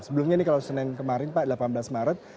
sebelumnya ini kalau senin kemarin pak delapan belas maret